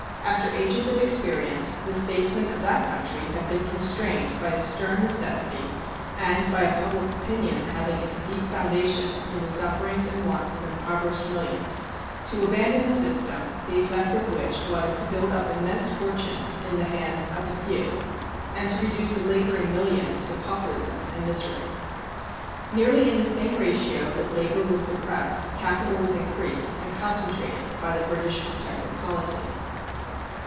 After ages of experience the statesmen of that country have been constrained by a stern necessity and by a public opinion having its deep foundation in the sufferings and wants of impoverished millions to abandon a system the effect of which was to build up immense fortunes in the hands of the few and to reduce the laboring millions to pauperism and misery. Nearly in the same ratio that labor was depressed capital was increased and concentrated by the British protective policy.